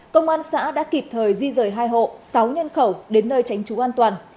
công an xã đã kịp thời di rời hai hộ sáu nhân khẩu đến nơi tránh trú an toàn